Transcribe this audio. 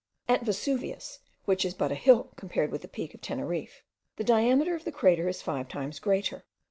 At Vesuvius, which is but a hill compared with the Peak of Teneriffe, the diameter of the crater is five times greater.